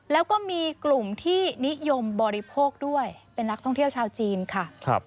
แล้วก็มีกลุ่มที่นิยมบริโภคด้วยเป็นนักท่องเที่ยวชาวจีนค่ะ